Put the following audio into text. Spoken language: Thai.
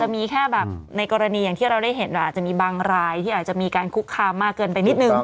มีแค่แบบในกรณีอย่างที่เราได้เห็นอาจจะมีบางรายที่อาจจะมีการคุกคามมากเกินไปนิดนึง